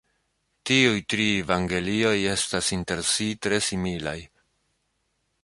Tiuj tri evangelioj estas inter si tre similaj.